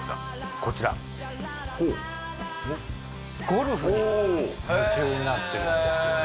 こちらほうに夢中になってるんですよね